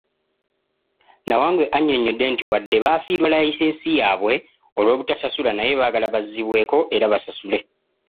Nawangwe annyonnyodde nti wadde baafiirwa layisinsi yaabwe olw'obutasasula naye baagala bazzibweko era basasule.